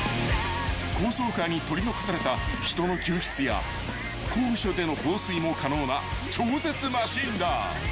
［高層階に取り残された人の救出や高所での放水も可能な超絶マシンだ］